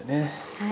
はい。